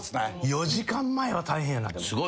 ４時間前は大変やなでも。